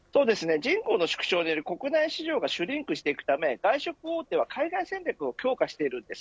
人口の縮小によって国内市場がシュリンクしていくため外食大手は海外戦略を強化しています。